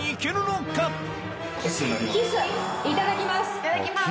いただきます。